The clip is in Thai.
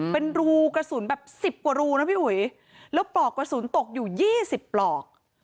เป็นรูกระสุนแบบสิบกว่ารูนะพี่อุ๋ยแล้วปลอกกระสุนตกอยู่๒๐ปลอก